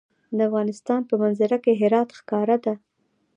د افغانستان په منظره کې هرات ښکاره ده.